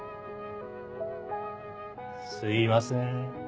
すいません。